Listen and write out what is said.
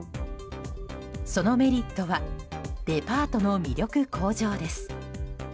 そのメリットはデパートの魅力向上です。